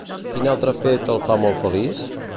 Quin altre fet el fa molt feliç?